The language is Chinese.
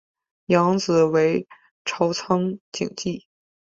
养子为朝仓景纪。